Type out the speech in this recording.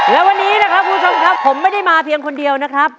และวันนี้นะครับคุณผู้ชมครับผมไม่ได้มาเพียงคนเดียวนะครับ